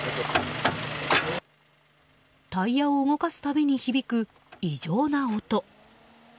タイヤを動かすたびに響く異常な音。